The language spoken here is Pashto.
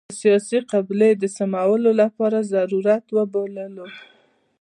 د سیاسي قبلې د سمولو لپاره ضرورت وبولو.